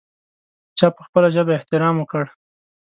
چا په خپله ژبه احترام وکړ.